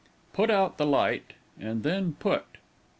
Put out the light, and then put.